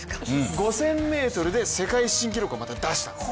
５０００ｍで世界新記録をまた出した。